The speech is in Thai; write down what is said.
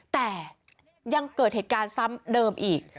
แต่ยังเกิดเหตุการณ์ซ้ำเดิมอีก